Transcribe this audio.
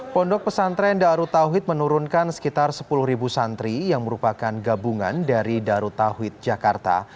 pondok pesantren darut tauhid menurunkan sekitar sepuluh santri yang merupakan gabungan dari darut tauhid jakarta